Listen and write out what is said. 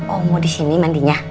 omo disini mandinya